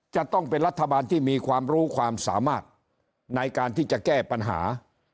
จะต้องเป็นรัฐบาลที่มีความรู้ความสามารถในการที่จะแก้ปัญหา